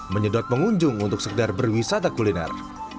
menyedot pengunjung untuk sekedar berwisata kuliner